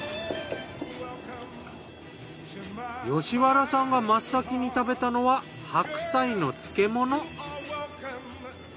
吉原さんが真っ先に食べたのは白菜の漬物。